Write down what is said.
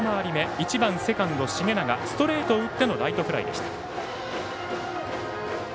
１番、セカンド繁永ストレートを打ってのライトフライでした。